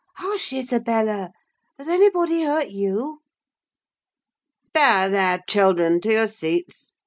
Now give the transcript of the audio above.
Hush, Isabella! Has anybody hurt you?" "There, there, children—to your seats!"